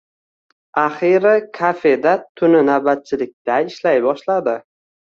Axiyri kafeda tuni navbatchilikda ishlay boshladi.